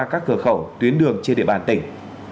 các cửa khẩu tuyến đường trên địa bàn tỉnh